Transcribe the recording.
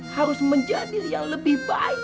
harus menjadi yang lebih baik